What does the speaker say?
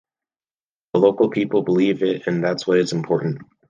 The local people believe it and that's what is important...